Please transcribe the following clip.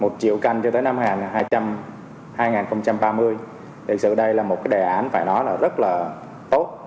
một triệu canh cho tới năm hai nghìn hai mươi thì sự đây là một cái đề án phải nói là rất là tốt